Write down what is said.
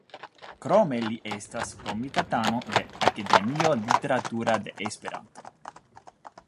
Krome li estas komitatano de Akademio Literatura de Esperanto.